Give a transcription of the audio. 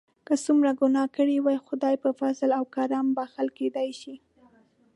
که څومره ګناه کړي وي خدای په فضل او کرم بښل کیدای شي.